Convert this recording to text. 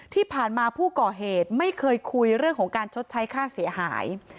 ที่ผ่านมาผู้ก่อเหตุไม่เคยคุยเรื่องของการชดใช้ค่าเสียหาย